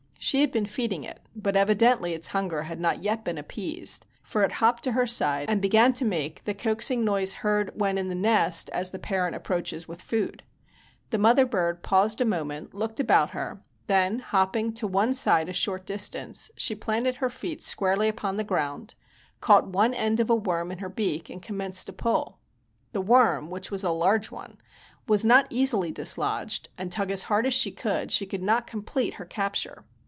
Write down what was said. She had been feeding it, but evidently its hunger had not yet been appeased, for it hopped to her side and began to make the coaxing noise heard when in the nest as the parent approaches with food. The mother bird paused a moment, looked about her, then hopping to one side a short distance, she planted her feet squarely upon the ground, caught one end of a worm in her beak and commenced to pull. The worm, which was a large one, was not easily dislodged and tug as hard as she could, she could not complete her capture.